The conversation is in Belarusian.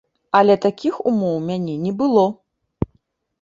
Але такіх ўмоў у мяне не было.